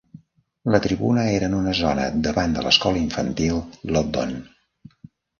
La tribuna era en una zona davant de l'escola infantil Loddon.